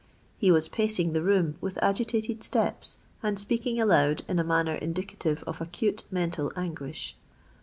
He was pacing the room with agitated steps, and speaking aloud in a manner indicative of acute mental anguish.